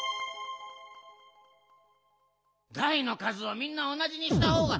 だいのかずをみんなおなじにしたほうがいいよな？